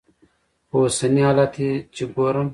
خو اوسني حالات چې ګورم.